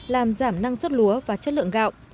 làm giảm năng suất lúa và chất lượng gạo